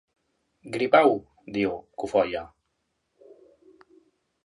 Gripau! –diu, cofoia.